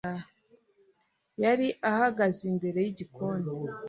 yari ahagaze imbere y igikoni.